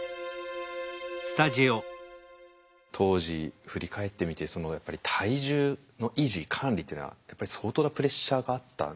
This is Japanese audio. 当時振り返ってみてそのやっぱり体重の維持管理っていうのはやっぱり相当なプレッシャーがあったんでしょうか？